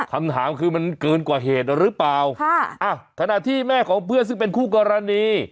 คำถามคือมันเกินกว่าเหตุหรือเปล่าค่ะอ่ะขณะที่แม่ของเพื่อนซึ่งเป็นคู่กรณี